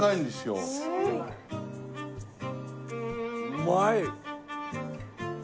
うまい！